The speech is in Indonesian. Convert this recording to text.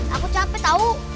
aku capek tau